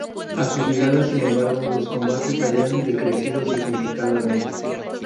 A su llegada, sin embargo, los combates habían decrecido significativamente.